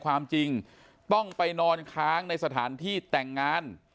ความจริงต้องไปนอนค้างในสถานที่แต่งงาน